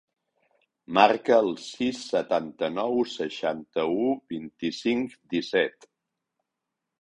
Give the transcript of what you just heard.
Marca el sis, setanta-nou, seixanta-u, vint-i-cinc, disset.